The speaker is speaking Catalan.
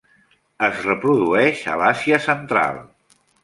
Es reprodueix a l'Àsia central.